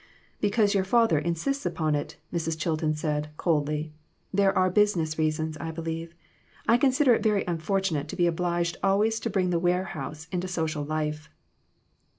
"Because your father insists upon it," Mrs*. Chilton said, coldly; "there are business reasons, I believe. I consider it very unfortunate to be obliged always to bring the warehouse into social life."